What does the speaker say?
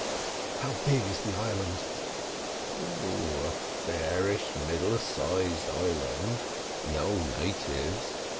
"How big is the island?" "Oh, a fairish middle sized island—no natives.